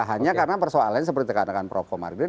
hanya karena persoalannya seperti dikatakan prof komar